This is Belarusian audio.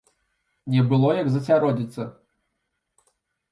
Не было як засяродзіцца.